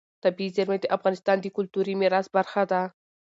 طبیعي زیرمې د افغانستان د کلتوري میراث برخه ده.